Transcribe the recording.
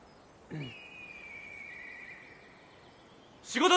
うん。